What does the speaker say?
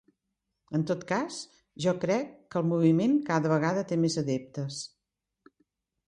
En tot cas, jo crec que el moviment cada vegada té més adeptes.